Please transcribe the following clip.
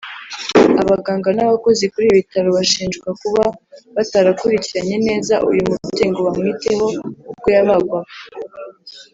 Abaganga n’abakozi kuri ibi bitaro bashinjwa kuba batarakurikiranye neza uyu mubyeyi ngo bamwiteho ubwo yabagwaga